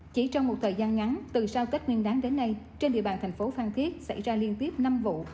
chỉ trong một thời gian ngắn từ sau tết nguyên đáng đến nay trên địa bàn thành phố phan thiết xảy ra liên tiếp năm vụ